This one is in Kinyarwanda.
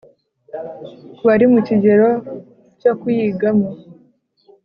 ku bari mu kigero cyo kuyigamo